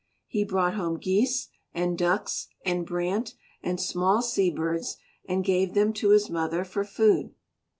He brought home geese and ducks and brant and small sea birds, and gave them to his mother for food.